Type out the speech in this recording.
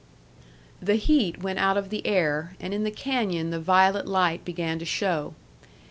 The heat went out of the air, and in the canyon the violet light began to show.